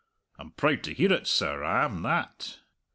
I'm proud to hear it, sir; I am that!"